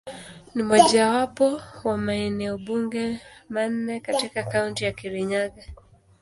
Ni mojawapo wa maeneo bunge manne katika Kaunti ya Kirinyaga.